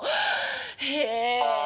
へえ。